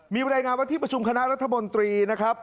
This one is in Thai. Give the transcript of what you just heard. มีบรรยายงานว่าที่ประชุมคณะรัฐมนตรีนะครับ